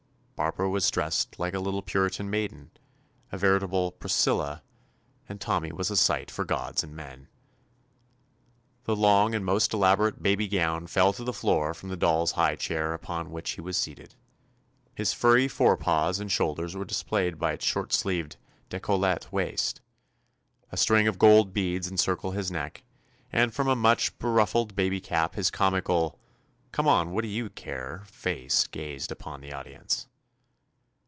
Barbara was dressed like a little Puri tan maiden, — a veritable "Priscilla," 209 THE ADVENTURES OF and Tommy was a sight for gods and men I A long and most elaborate baby gown fell to the floor from the doll's high chair upon which he was seated. His furry fore paws and shoulders were displayed by its short sleeved, decollete waist, a string of gold beads encircled his neck, and from a much beruffled baby cap his comical "Come on; what do you care?" face gazed upon the audience.